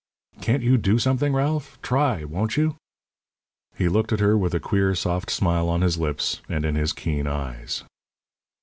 "Can't you do something, Ralph try, won't you?" He looked at her with a queer, soft smile on his lips and in his keen eyes.